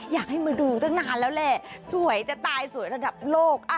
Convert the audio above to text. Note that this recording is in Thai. อยากให้มาดูตั้งนานแล้วแหละสวยจะตายสวยระดับโลก